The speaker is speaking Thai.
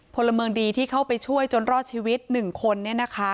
พลเมืองดีที่เข้าไปช่วยจนรอดชีวิต๑คน